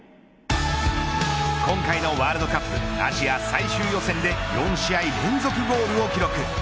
今回のワールドカップアジア最終予選で４試合連続ゴールを記録。